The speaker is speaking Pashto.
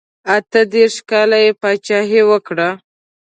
اته دېرش کاله پاچهي یې وکړه.